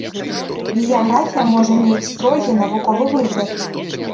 Біяграфія можа мець строгі, навуковы выгляд.